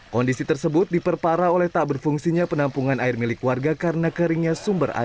kondisi tersebut diperparah oleh tak berfungsinya penampungan air milik warga karena keringnya sumber air